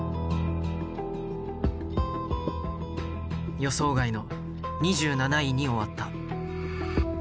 予想外の２７位に終わった。